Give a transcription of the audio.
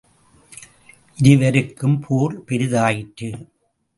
இருவருக்கும் போர் பெரிதாயிற்று.